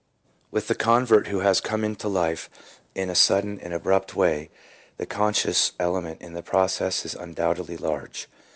With the convert who has come into life in a sudden and abrupt way, the subconscious element in the process is undoubtedly large.